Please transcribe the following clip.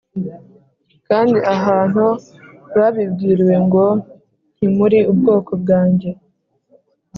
Kandi ahantu babwiriwe ngo ntimuri ubwoko bwanjye